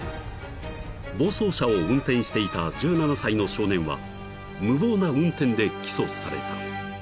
［暴走車を運転していた１７歳の少年は無謀な運転で起訴された］